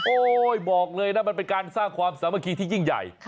บอกเลยนะมันเป็นการสร้างความสามัคคีที่ยิ่งใหญ่